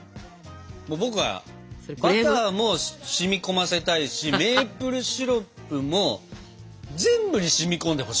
僕はバターも染み込ませたいしメープルシロップも全部に染み込んでほしいわけよ。